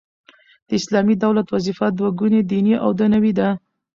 د اسلامي دولت وظیفه دوه ګونې دیني او دنیوې ده.